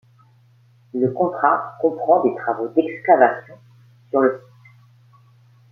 Le contrat comprend des travaux d’excavation sur le site.